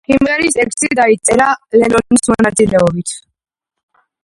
სიმღერის ტექსტი დაიწერა ლენონის მონაწილეობით.